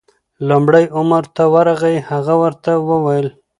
لومړی عمر ته ورغی، هغه ورته وویل: